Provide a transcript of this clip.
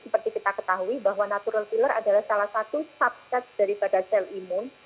seperti kita ketahui bahwa natural filler adalah salah satu subset daripada sel imun